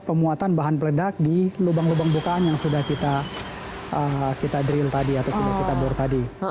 pemuatan bahan peledak di lubang lubang bukaan yang sudah kita drill tadi atau sudah kita bor tadi